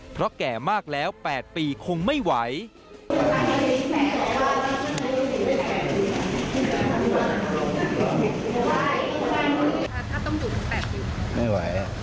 เพราะแก่มากแล้ว๘ปีคงไม่ไหว